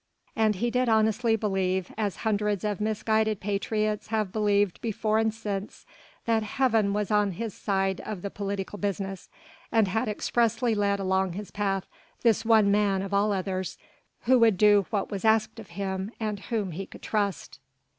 And he did honestly believe as hundreds of misguided patriots have believed before and since that Heaven was on his side of the political business and had expressly led along his path this one man of all others who would do what was asked of him and whom he could trust.